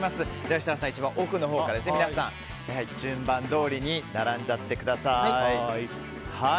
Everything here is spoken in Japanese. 設楽さん、一番奥のほうから皆さん、順番どおりに並んじゃってください。